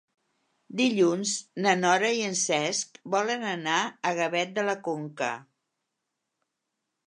Dilluns na Nora i en Cesc volen anar a Gavet de la Conca.